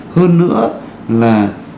hơn nữa là